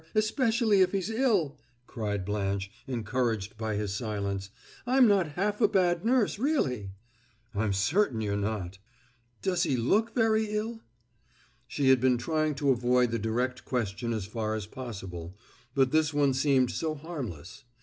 Especially if he's ill," cried Blanche, encouraged by his silence. "I'm not half a bad nurse, really!" "I'm certain you're not." "Does he look very ill?" She had been trying to avoid the direct question as far as possible, but this one seemed so harmless.